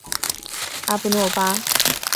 阿布诺巴。